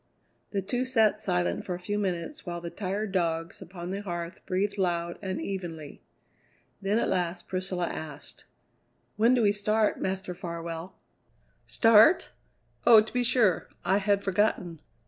The two sat silent for a few minutes while the tired dogs upon the hearth breathed loud and evenly. Then at last Priscilla asked: "When do we start, Master Farwell?" "Start? Oh, to be sure. I had forgotten."